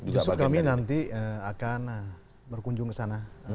justru kami nanti akan berkunjung ke sana